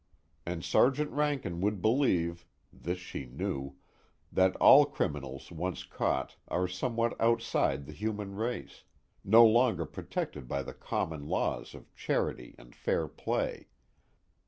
And Sergeant Rankin would believe (this she knew) that all criminals once caught are somewhat outside the human race, no longer protected by the common laws of charity and fair play.